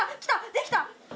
できた。